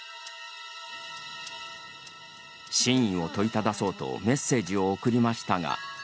真意を問いただそうとメッセージを送りましたが。